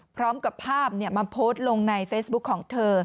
พร้อมกับภาพมาโพสต์ลงในเฟซบุ๊คของเธอ